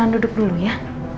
duduk dulu ya